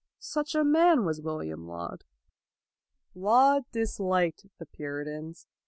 Such a man was William Laud. Laud disliked the Puritans.